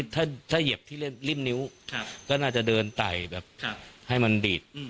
ถ้าเหยียบที่ริ่มนิ้วก็น่าจะเดินไต่แบบให้มันดีด